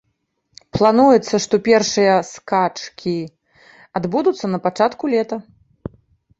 Плануецца, што першыя скачкі адбудуцца на пачатку лета.